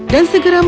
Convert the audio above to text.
dan segera membeli